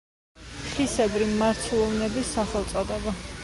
ხისებრი მარცვლოვნების სახელწოდება.